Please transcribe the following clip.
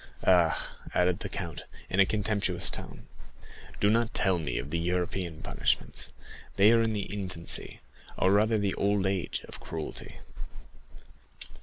Ah," added the count, in a contemptuous tone, "do not tell me of European punishments, they are in the infancy, or rather the old age, of cruelty."